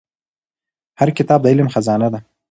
هر کتاب د علم خزانه ده.